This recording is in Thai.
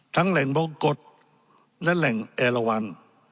ทั้งแหล่งโบกฎและแหล่งแอร์ละวัล